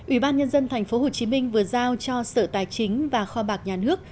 ủy ban nhân dân tp hcm vừa giao cho sở tài chính và kho bạc nhà nước